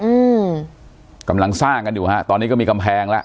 อืมกำลังสร้างกันอยู่ฮะตอนนี้ก็มีกำแพงแล้ว